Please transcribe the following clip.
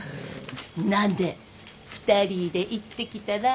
なんで２人で行ってきたら。